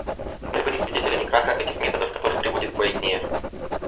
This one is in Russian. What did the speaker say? Мы были свидетелями краха этих методов, который приводит к войне.